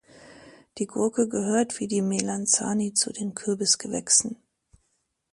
Die Gurke gehört wie die Melanzani zu den Kürbisgewächsen.